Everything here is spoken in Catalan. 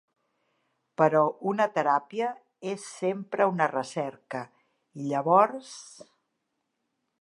Però una teràpia és sempre una recerca i llavors...